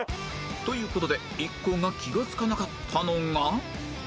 という事で一行が気が付かなかったのが